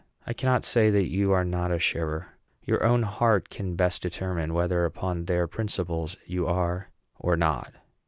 I cannot say that you are not a sharer. Your own heart can best determine whether upon their principles you are or not."